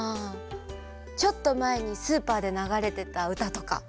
ちょっとまえにスーパーでながれてたうたとか。